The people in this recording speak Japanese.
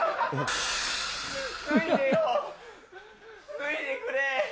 脱いでくれ。